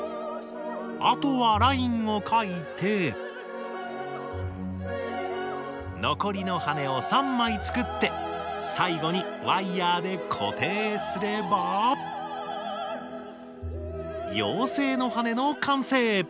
あとはラインを描いて残りの羽根を３枚作って最後にワイヤーで固定すれば妖精の羽根の完成！